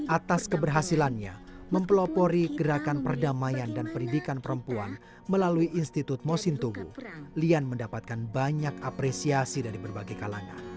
atas keberhasilannya mempelopori gerakan perdamaian dan pendidikan perempuan melalui institut mosin tubuh lian mendapatkan banyak apresiasi dari berbagai kalangan